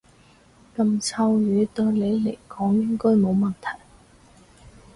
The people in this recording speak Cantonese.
噉臭魚對你嚟講應該冇問題